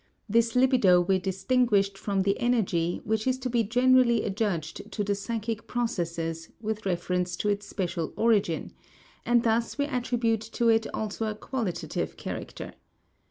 This libido we distinguished from the energy which is to be generally adjudged to the psychic processes with reference to its special origin and thus we attribute to it also a qualitative character.